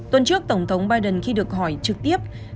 tuần trước tổng thống biden khi được hỏi trực tiếp